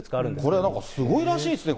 これなんかすごいらしいです